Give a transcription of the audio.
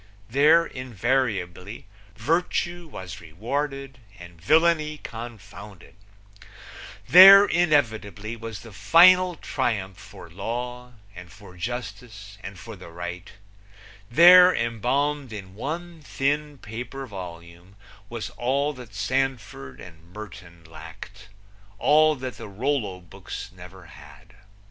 There, invariably virtue was rewarded and villainy confounded; there, inevitably was the final triumph for law and for justice and for the right; there embalmed in one thin paper volume, was all that Sandford and Merton lacked; all that the Rollo books never had.